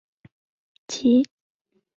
而新竹州辖下的苗栗郡公馆庄亦受波及。